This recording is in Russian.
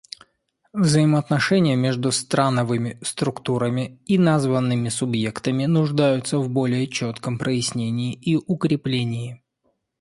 Взаимоотношения между страновыми структурами и названными субъектами нуждаются в более четком прояснении и укреплении.